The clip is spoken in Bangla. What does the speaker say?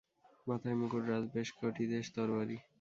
মাথায় মুকুট, রাজবেশ, কটিদেশে তরবারি।